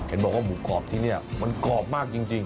เห็นบอกว่าหมูกรอบที่นี่มันกรอบมากจริง